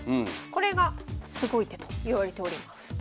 これがすごい手といわれております。